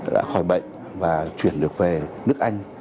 đã khỏi bệnh và chuyển được về nước anh